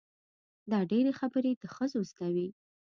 دا ډېرې خبرې د ښځو زده وي.